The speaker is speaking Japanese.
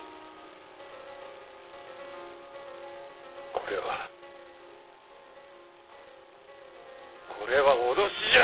これはこれは脅しじゃ！